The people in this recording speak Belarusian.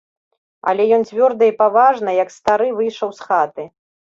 Але ён цвёрда і паважна, як стары, выйшаў з хаты.